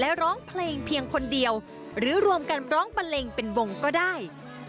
และร้องเพลงเพียงคนเดียวหรือรวมกันร้องบันเลงเป็นวงก็ได้